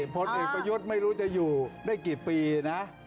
ผลเอกประยุทธ์ไม่รู้จะอยู่ได้กี่ปีนะ